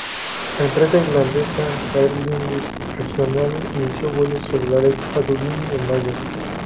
La empresa irlandesa Aer Lingus Regional inició vuelos regulares a Dublín en mayo.